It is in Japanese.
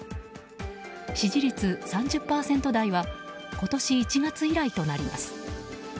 支持率３０％台は今年１月以来となります。